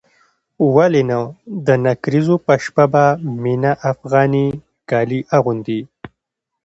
ولې نه د نکريزو په شپه به مينه افغاني کالي اغوندي.